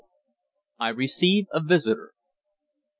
I RECEIVE A VISITOR.